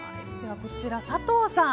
こちらは佐藤さん